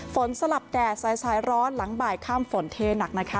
สลับแดดสายร้อนหลังบ่ายค่ำฝนเทหนักนะคะ